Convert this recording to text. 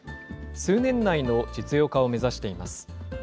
数年内の実用化を目指しています。